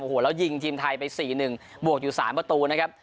โอ้โหแล้วยิงทีมไทยไป๔๑บวกอยู่๓ประตูนะครับ